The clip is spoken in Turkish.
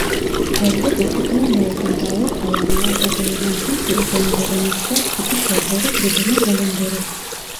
Bölgedeki en yaygın dağlık alanlarda bulunan bu türden geleneksel kütük evleri grubunu bulundurur.